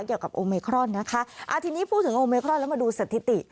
โอเมครอนนะคะอ่าทีนี้พูดถึงโอเมครอนแล้วมาดูสถิติ